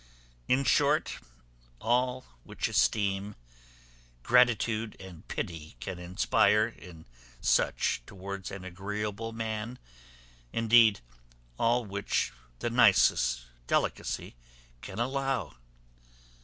In short, all which esteem, gratitude, and pity, can inspire in such towards an agreeable man indeed, all which the nicest delicacy can allow.